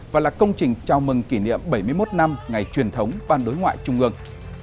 và là công trình chào mừng kỷ niệm bảy mươi một năm ngày truyền thống ban đối ngoại trung ương